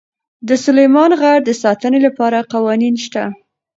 د سلیمان غر د ساتنې لپاره قوانین شته.